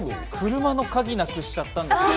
車の鍵を失くしちゃったんですよ。